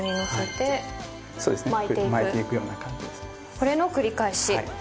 これの繰り返し。